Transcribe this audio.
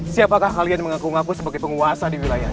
siapakah kalian mengaku ngaku sebagai penguasa di wilayah ini